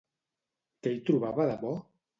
Què hi trobava de bo?